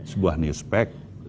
sebuah news pack